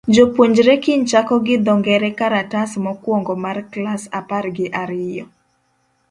Jopuonjre kiny chako gi dho ngere karatas mokuongo mar klas apar gi ariyo.